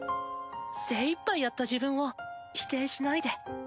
精いっぱいやった自分を否定しないで。